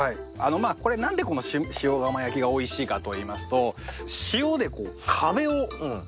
これなんでこの塩釜焼きがおいしいかといいますと塩で壁を作るんですね。